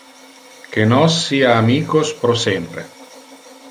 Que nos sia amicos pro sempre.